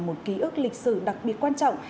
một ký ức lịch sử đặc biệt quan trọng